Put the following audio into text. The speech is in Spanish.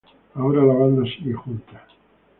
Ahora la banda sigue junta.